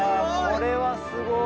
これはすごい！